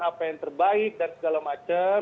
apa yang terbaik dan segala macam